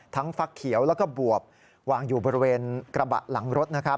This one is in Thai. ทั้งฟักเขียวและก็บวบวางอยู่บริเวณกระบะหลังรถ